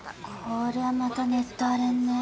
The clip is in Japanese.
こりゃまたネット荒れんね。